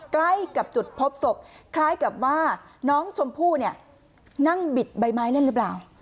ใกล้กับจุดพบศพคล้ายกับว่าน้องชมพู่เนี่ยนั่งบิดใบไม้เล่นหรือเปล่า